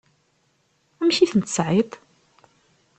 Amek i ten-tesɛiḍ?